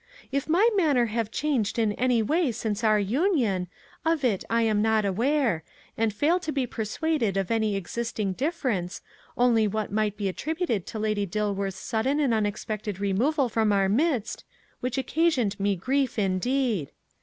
"If my manner have changed in any way since our union, of it I am not aware, and fail to be persuaded of any existing difference, only what might be attributed to Lady Dilworth's sudden and unexpected removal from our midst, which occasioned me grief indeed.